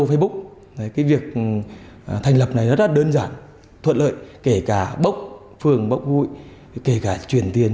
facebook cái việc thành lập này rất là đơn giản thuận lợi kể cả bốc phường bốc hụi kể cả chuyển tiền